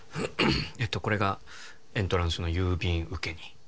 えっとこれがエントランスの郵便受けに？